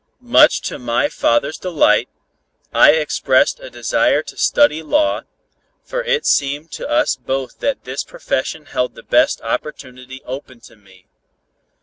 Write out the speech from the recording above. Much to my father's delight, I expressed a desire to study law, for it seemed to us both that this profession held the best opportunity open to me.